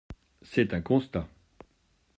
C’est un constat.